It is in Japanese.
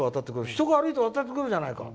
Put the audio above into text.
人が歩いて渡ってくるじゃないか！